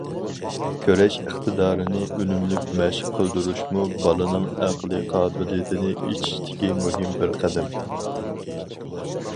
كۆرۈش ئىقتىدارىنى ئۈنۈملۈك مەشىق قىلدۇرۇشمۇ بالىنىڭ ئەقلىي قابىلىيىتىنى ئېچىشتىكى مۇھىم بىر قەدەم.